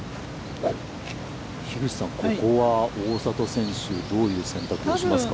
樋口さん、ここは大里選手、どういう選択をしますか。